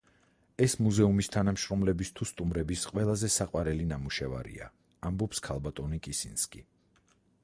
ეს მუზეუმის თანამშრომლების, თუ სტუმრების ყველაზე საყვარელი ნამუშევარია, ამბობს ქალბატონი კასინსკი.